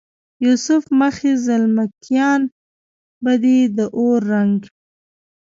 یوسف مخې زلمکیان به دې د اور رنګ،